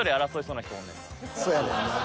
そやねんなぁ。